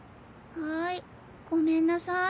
はいごめんなさい。